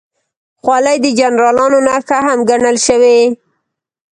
خولۍ د جنرالانو نښه هم ګڼل شوې.